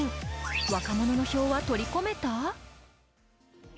若者の票は取り込めた？